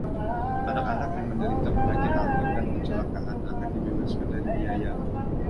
Anak-anak yang menderita Penyakit Akut dan Kecelakaan akan dibebaskan dari biaya.